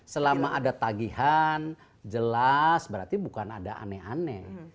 selama ada tagihan jelas berarti bukan ada aneh aneh